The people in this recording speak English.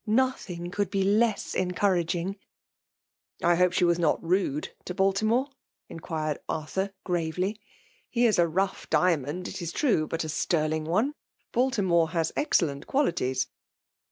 Nothing could be less encouraging." " I hope she was not rude to Baltimore ?" iBqmred Arthur, gravely. "He is a rough 3f^ FJEMAltE OOM INATI^W. di|UXK>nd, it is true» but a sterling one* Baki morc has excellent qualities.''